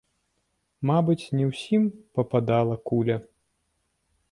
Мабыць, ні ўсім пападала куля.